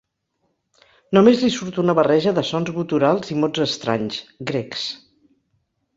Només li surt una barreja de sons guturals i mots estranys, grecs.